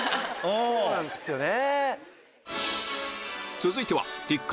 そうなんですよね。